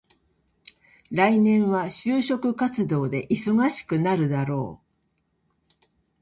来年は就職活動で忙しくなるだろう。